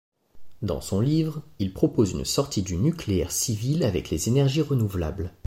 Dans son livre, il propose une sortie du nucléaire civil avec les énergies renouvelables.